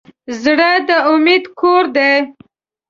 زړه د امید کور دی.